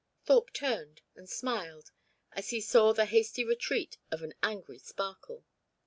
Thorpe turned, and smiled, as he saw the hasty retreat of an angry sparkle.